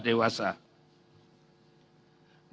mereka sudah dewasa